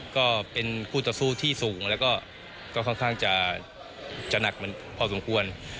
ก็เป็นคู่ต่อสู้ที่สูงแล้วก็ค่อนข้างจะหนักเหมือนพอสมควร